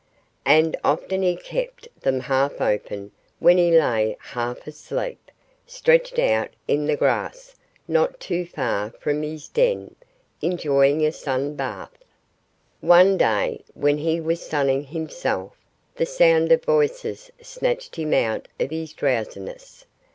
And often he kept them half open when he lay half asleep, stretched out in the grass not too far from his den, enjoying a sun bath. One day when he was sunning himself the sound of voices snatched him out of his drowsiness.